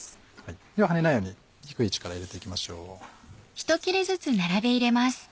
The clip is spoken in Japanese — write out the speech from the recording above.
では跳ねないように低い位置から入れていきましょう。